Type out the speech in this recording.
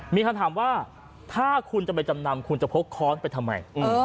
มีคำถามว่าถ้าคุณจะไปจำนำคุณจะพกค้อนไปทำไม